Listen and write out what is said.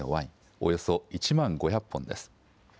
およそ１万５００本です。